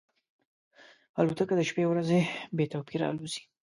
الوتکه د شپې او ورځې بې توپیره الوزي.